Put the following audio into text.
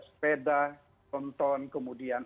sepeda konton kemudian